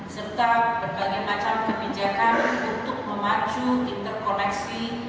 serta berbagai macam kebijakan untuk memacu interkoneksi